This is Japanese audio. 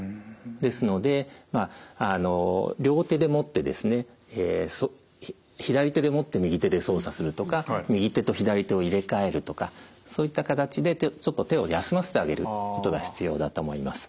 ですので両手で持ってですね左手で持って右手で操作するとか右手と左手を入れ替えるとかそういった形でちょっと手を休ませてあげることが必要だと思います。